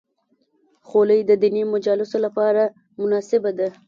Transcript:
خولۍ د دیني مجالسو لپاره مناسبه ده.